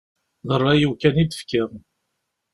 D ṛṛay-iw kan i d-fkiɣ.